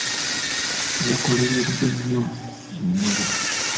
Yakoleredde nnyo emmere.